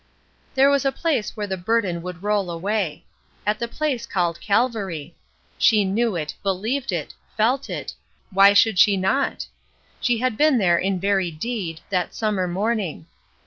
There was a place where the burden would roll away. "At the place called Calvary." She knew it, believed it, felt it, why should she not? She had been there in very deed, that summer morning.